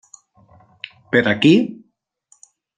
Per aquí?